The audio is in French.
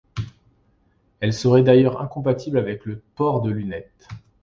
Elle serait d'ailleurs incompatible avec le port de lunettes.